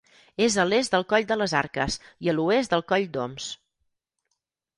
És a l'est del Coll de les Arques i a l'oest del Coll d'Oms.